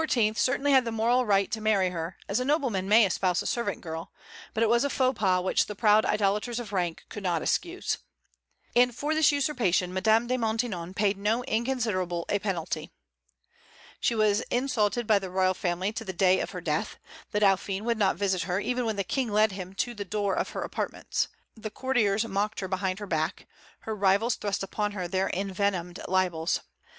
certainly had the moral right to marry her, as a nobleman may espouse a servant girl; but it was a faux pas which the proud idolaters of rank could not excuse. And for this usurpation Madame de Maintenon paid no inconsiderable a penalty. She was insulted by the royal family to the day of her death. The Dauphin would not visit her, even when the King led him to the door of her apartments. The courtiers mocked her behind her back. Her rivals thrust upon her their envenomed libels.